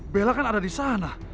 bella kan ada di sana